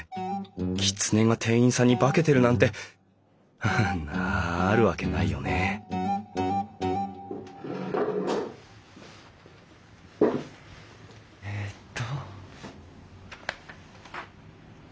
きつねが店員さんに化けてるなんてハハあるわけないよねえっと。